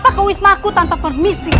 apakah hal iniicia sudah k proclaimed